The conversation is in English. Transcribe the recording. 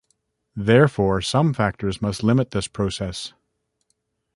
Therefore, some factors must limit this process.